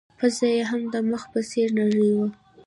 پزه يې هم د مخ په څېر نرۍ وه.